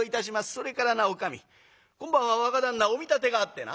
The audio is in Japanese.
「それからなおかみ今晩は若旦那お見立てがあってな」。